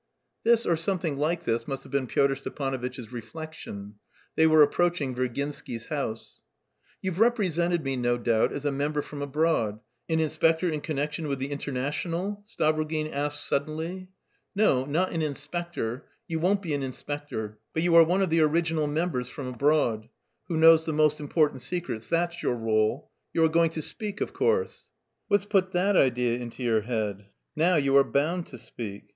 This or something like this must have been Pyotr Stepanovitch's reflection. They were approaching Virginsky's house. "You've represented me, no doubt, as a member from abroad, an inspector in connection with the Internationale?" Stavrogin asked suddenly. "No, not an inspector; you won't be an inspector; but you are one of the original members from abroad, who knows the most important secrets that's your rôle. You are going to speak, of course?" "What's put that idea into your head?" "Now you are bound to speak."